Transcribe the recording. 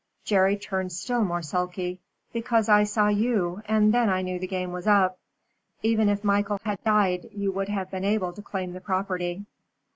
Jerry turned still more sulky. "Because I saw you, and then I knew the game was up. Even if Michael had died, you would have been able to claim the property."